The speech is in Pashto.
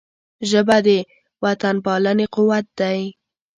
ژبه د وطنپالنې قوت دی